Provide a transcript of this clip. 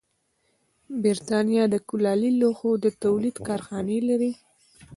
برېټانیا د کولالي لوښو د تولید کارخانې لرلې.